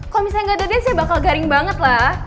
kalo misalnya gak ada dance ya bakal garing banget lah